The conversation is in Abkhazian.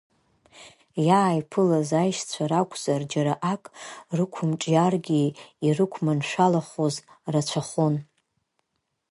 Иааиԥылаз аишьцәа ракәзар џьара ак рықәымҿиаргьы, ирықәманшәалахоз рацәахон.